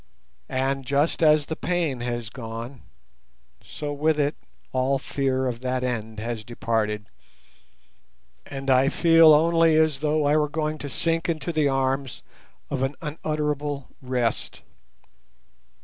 And just as the pain has gone, so with it all fear of that end has departed, and I feel only as though I were going to sink into the arms of an unutterable rest.